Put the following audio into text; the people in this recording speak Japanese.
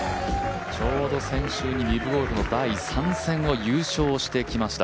ちょうど先週にリブゴルフの第３戦に勝利をしてきました。